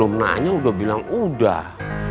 kamu belum nanya udah bilang udah